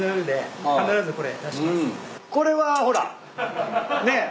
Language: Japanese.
これはほらねっ？